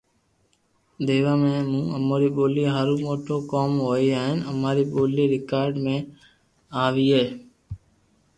ديوا جي مون اموري ٻولي ھارو موٽو ڪوم ھوئي ھين اماري ٻولي رآڪارذ مي آوئي